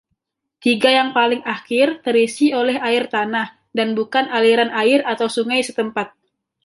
Tiga yang paling akhir terisi oleh air tanah dan bukan aliran air atau sungai setempat.